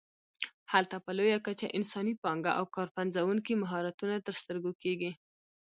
هلته په لویه کچه انساني پانګه او کار پنځوونکي مهارتونه تر سترګو کېږي.